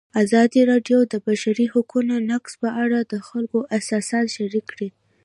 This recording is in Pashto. ازادي راډیو د د بشري حقونو نقض په اړه د خلکو احساسات شریک کړي.